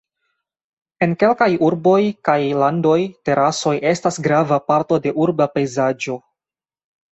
En kelkaj urboj kaj landoj terasoj estas grava parto de urba pejzaĝo.